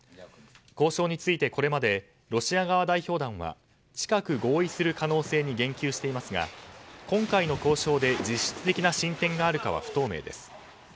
交渉についてこれまでロシア側代表団は近く合意する可能性に言及していますが今回の交渉で実質的な進展があるかは不透明です。